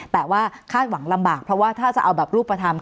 แต่ว่าคาดหวังลำบากเพราะว่าถ้าจะเอาแบบรูปธรรม